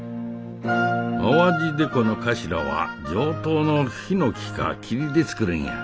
淡路木偶の頭は上等のヒノキか桐で作るんや。